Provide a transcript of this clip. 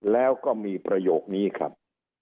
แล้วก็มีประโยคนี้ครับ